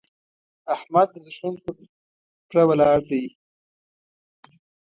احمد د دوښمن پر پره ولاړ دی.